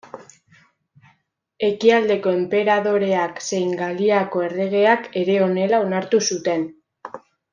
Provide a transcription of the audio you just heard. Ekialdeko Enperadoreak zein Galiako erregeak ere honela onartu zuten.